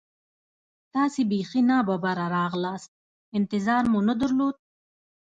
تاسې بیخي نا ببره راغلاست، انتظار مو نه درلود.